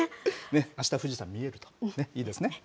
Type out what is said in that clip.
あした、富士山見えるといいですね。